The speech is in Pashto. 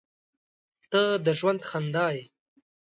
• ته د ژوند خندا یې.